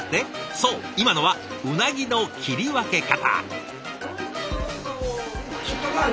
そう今のはうなぎの切り分け方！